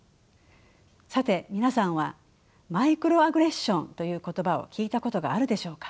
さて皆さんはマイクロアグレッションという言葉を聞いたことがあるでしょうか。